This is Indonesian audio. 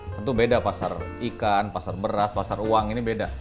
tentu beda pasar ikan pasar beras pasar uang ini beda